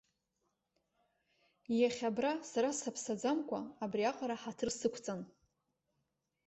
Иахьа абра, сара саԥсаӡамкәа, абри аҟара ҳаҭыр сықәҵан.